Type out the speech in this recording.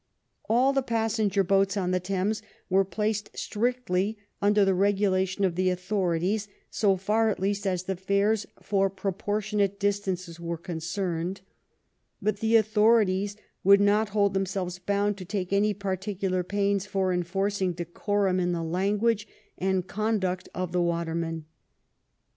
All the passenger boats on the Thames were placed strictly under the regulations of the authorities, so far, at least, as the fares for proportionate distances were ^ concerned, but the authorities would not hold them selves bound to take any particular pains for enforcing decorum in the language and conduct of the water men.